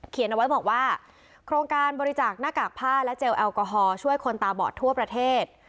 เอาไว้บอกว่าโครงการบริจาคหน้ากากผ้าและเจลแอลกอฮอล์ช่วยคนตาบอดทั่วประเทศ